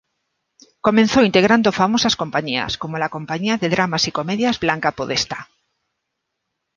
Comenzó integrando famosas compañías como la "Compañía de Dramas y Comedias Blanca Podestá".